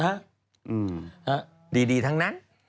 อาการหนักอยู่เลยนะฮะดีทั้งนั้น